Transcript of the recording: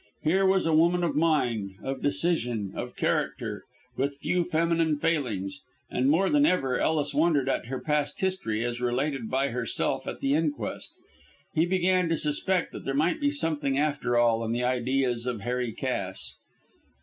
Here was a woman of mind, of decision, of character, with few feminine failings, and more than ever Ellis wondered at her past history, as related by herself at the inquest. He began to suspect that there might be something after all in the ideas of Harry Cass.